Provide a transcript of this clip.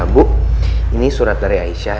bu ini surat dari aisyah